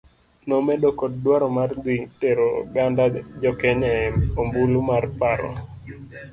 Nomedo kod dwaro mar dhi tero oganda jokenya e ombulu mar paro.